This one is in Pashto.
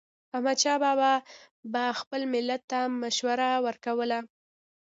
احمدشاه بابا به خپل ملت ته مشوره ورکوله.